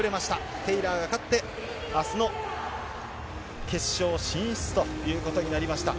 テイラーが勝って、あすの決勝進出ということになりました。